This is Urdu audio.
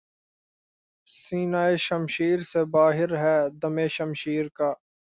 سینہٴ شمشیر سے باہر ہے دم شمشیر کا